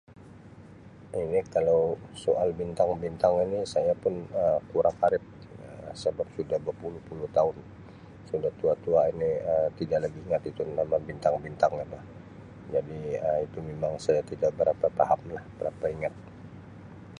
[unintelligible] Kalau soal bintang-bintang ini saya pun Um kurang arif Um sabab sudah berpuluh-puluh taun suda tua tua ni Um tidak lagi ingat itu nama bintang-bintang itu jadi Um itu memang saya tidak berapa faham la berapa ingat.